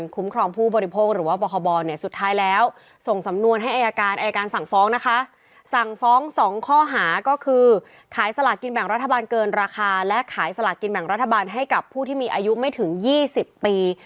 ดูข้อมูลราคาและขายสลักกินแบ่งรัฐบาลให้กับผู้ที่มีอายุไม่ถึง๒๐ปี